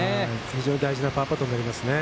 非常に大きなパーパットになります。